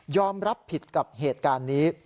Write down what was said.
รับผิดกับเหตุการณ์นี้